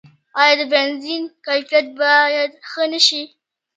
آیا د بنزین کیفیت باید ښه نشي؟